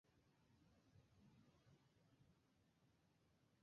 পানিতে দুইটা বাদামী কুকুর।